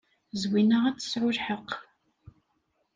Zwina ad tesɛu lḥeqq.